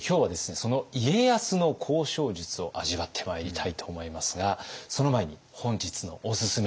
その家康の交渉術を味わってまいりたいと思いますがその前に本日のおすすめ